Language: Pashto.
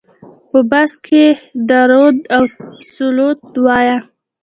په بس کې درود او صلوات وایه.